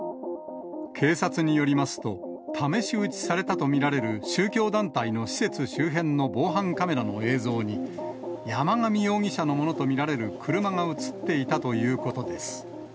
警察によりますと、試し撃ちされたと見られる宗教団体の施設周辺の防犯カメラの映像に、山上容疑者のものと見られる車が写っていたということです。